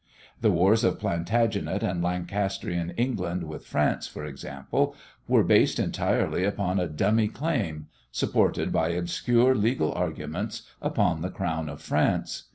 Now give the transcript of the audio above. The wars of Plantagenet and Lancastrian England with France, for example, were based entirely upon a dummy claim, supported by obscure legal arguments, upon the crown of France.